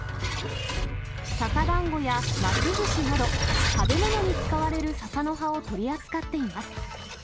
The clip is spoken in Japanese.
笹だんごやますずしなど、食べ物に使われる笹の葉を取り扱っています。